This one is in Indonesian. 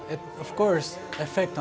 tapi tentu saja efeknya